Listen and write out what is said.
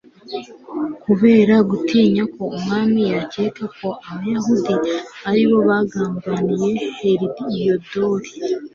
kubera gutinya ko umwami yakeka ko abayahudi ari bo bagambaniye heliyodori